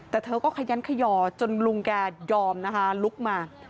แต่เธอก็ขยันขยอจนลุงแกยอมนะคะลุกมา